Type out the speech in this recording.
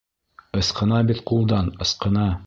Ысҡына бит ҡулдан, ысҡына!